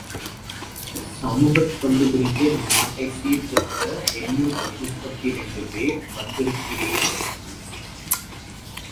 சமூகத் தொண்டு புரிந்து நம் நாட்டைச் சீர்த் திருத்த எண்ணூற்று முப்பத்திரண்டு பேர் வந்திருக்கிறீர்கள்.